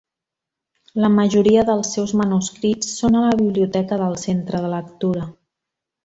La majoria dels seus manuscrits són a la Biblioteca del Centre de Lectura.